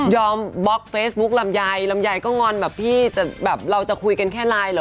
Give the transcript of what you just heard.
บล็อกเฟซบุ๊คลำไยลำไยก็งอนแบบพี่แต่แบบเราจะคุยกันแค่ไลน์เหรอ